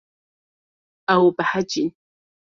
Ew behecîn.